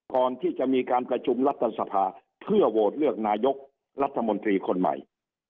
ก่อนที่จะมีการประชุมรัฐสภาเพื่อโหวตเลือกนายกรัฐมนตรีคนใหม่